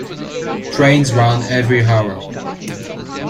Trains ran every hour.